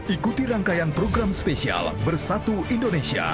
ikuti rangkaian program spesial bersatu indonesia